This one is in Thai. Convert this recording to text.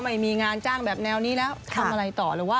ไม่มีงานจ้างแบบแนวนี้แล้วทำอะไรต่อหรือว่า